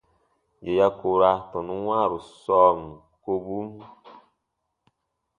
Yè ya koora tɔnun wãaru sɔɔn kobun.